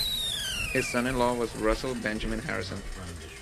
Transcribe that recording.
His son-in-law was Russell Benjamin Harrison.